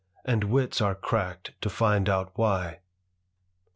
And wits are crack'd to find out why.'